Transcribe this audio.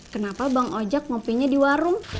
kenapa bang ojek ngopinya di warung